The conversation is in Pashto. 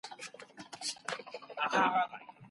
مدیر وویل چي موږ له ماڼۍ څخه ډګر ته وړاندي لاړو.